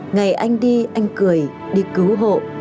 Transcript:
ngày anh đi anh cười đi cứu hộ